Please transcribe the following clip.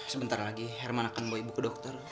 sebentar lagi herman akan membawa ibu ke dokter